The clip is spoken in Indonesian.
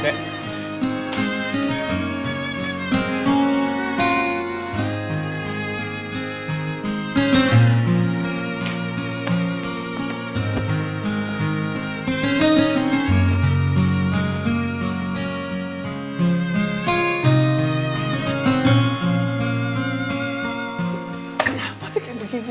kenapa sih kayak begini